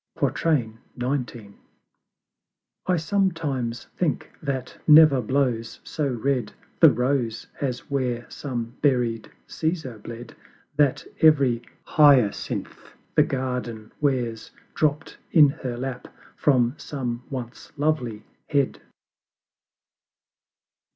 XIX. I sometimes think that never blows so red The Rose as where some buried Caesar bled; That every Hyacinth the Garden wears Dropt in her Lap from some once lovely Head.